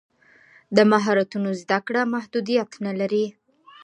د مهارتونو زده کړه محدودیت نه لري.